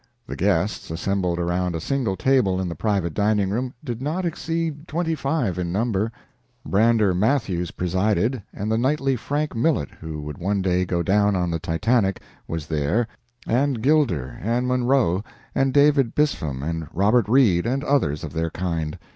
The guests, assembled around a single table in the private dining room, did not exceed twenty five in number. Brander Matthews presided, and the knightly Frank Millet, who would one day go down on the "Titanic," was there, and Gilder and Munro and David Bispham and Robert Reid, and others of their kind.